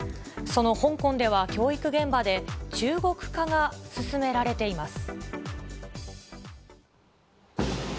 その香港では、教育現場で中国化が進められています。